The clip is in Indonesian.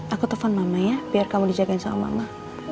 aku telpon mama ya biar kamu dijagain sama mama